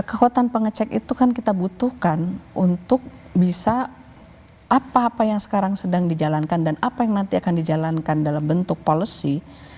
kekuatan pengecek itu kan kita butuhkan untuk bisa apa apa yang sekarang sedang dijalankan dan apa yang nanti akan dijalankan dalam bentuk policy